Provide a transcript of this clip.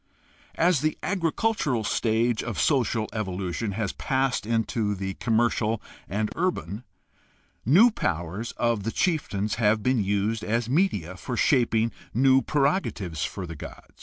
As the agricultural stage of social evolution has passed into the commercial and urban, the new powers of the chieftains have been used as media for shaping new preroga tives for the god.